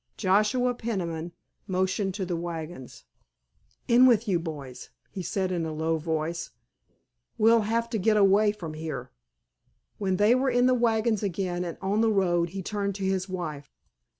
Joshua Peniman motioned to the wagons. "In with you, boys," he said in a low voice, "we'll have to get away from here." When they were in the wagons again and on the road he turned to his wife.